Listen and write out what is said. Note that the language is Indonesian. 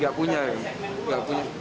nggak punya lagi